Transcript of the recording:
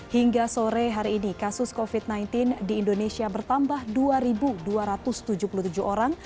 hingga sore hari ini kasus covid sembilan belas di indonesia bertambah dua dua ratus tujuh puluh tujuh orang